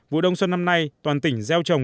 vụ đông xuân năm nay toàn tỉnh gieo trồng